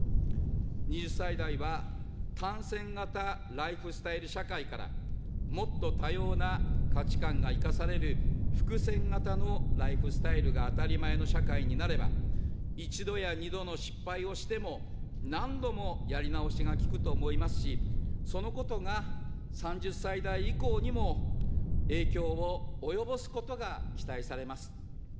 ２０歳代は、単線型ライフスタイル社会から、もっと多様な価値観が生かされる複線型のライフスタイルが当たり前の社会になれば、一度や二度の失敗をしても、何度もやり直しがきくと思いますし、そのことが３０歳代以降にも影響を及ぼすことが期待されます。